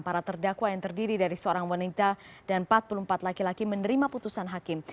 para terdakwa yang terdiri dari seorang wanita dan empat puluh empat laki laki menerima putusan hakim